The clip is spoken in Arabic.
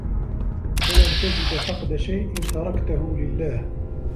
فَلَنْ تَجِدَ فَقْدَ شَيْءٍ تَرَكْتَهُ لِلَّهِ